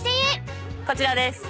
こちらです。